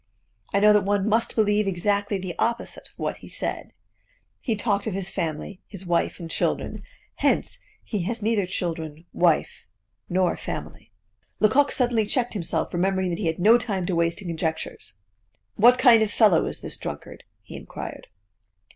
I know that one must believe exactly the opposite of what he said. He talked of his family, his wife and children hence, he has neither children, wife, nor family." Lecoq suddenly checked himself, remembering that he had no time to waste in conjectures. "What kind of fellow was this drunkard?" he inquired.